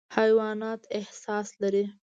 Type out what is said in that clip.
حیوانات احساس لري.